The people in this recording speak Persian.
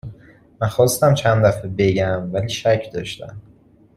من خواستم چند دفعه بگم ولی شک داشتم